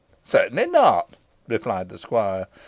"Certainly not," replied the squire.